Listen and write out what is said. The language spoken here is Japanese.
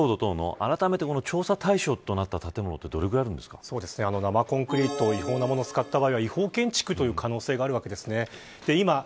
あらためて、調査対象となった建物って生コンクリート違法なものを使った場合は違法建築の可能性があるわけですね。